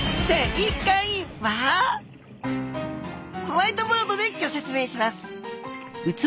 ホワイトボードでギョ説明します！